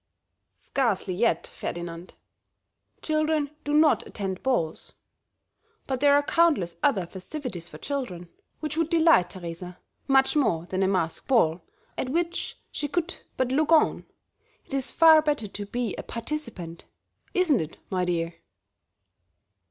"Scarcely yet, Ferdinand; children do not attend balls; but there are countless other festivities for children, which would delight Teresa much more than a masked ball at which she could but look on. It is far better to be a participant, isn't it, my dear?"